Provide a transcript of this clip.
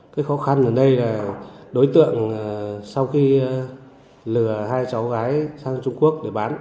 cái khó khăn ở đây là đối tượng sau khi lừa hai cháu gái sang trung quốc để bán